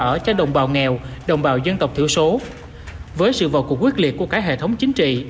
ở cho đồng bào nghèo đồng bào dân tộc thiểu số với sự vào cuộc quyết liệt của cả hệ thống chính trị